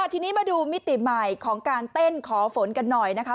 ทีนี้มาดูมิติใหม่ของการเต้นขอฝนกันหน่อยนะคะ